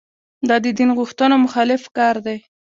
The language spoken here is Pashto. دا د دین غوښتنو مخالف کار دی.